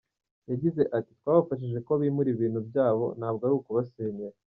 Yagize ati"Twabafashije ko bimura ibintu byabo ntabwo ari ukubasenyera.